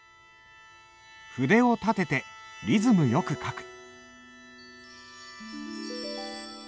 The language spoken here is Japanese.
筆を立ててリズムよく書く。